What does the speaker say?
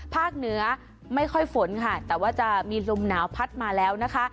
เหนือไม่ค่อยฝนค่ะแต่ว่าจะมีลมหนาวพัดมาแล้วนะคะ